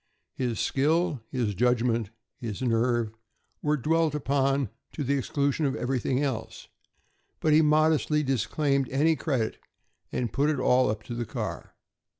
His skill, his judgment, his nerve, were dwelt upon to the exclusion of everything else; but he modestly disclaimed any credit and put it all up to the car.